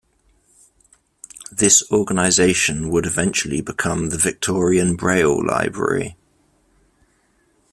This organisation would eventually become the "Victorian Braille Library".